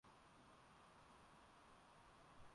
kiongozi wa chama cha pdb mohamed najib chebi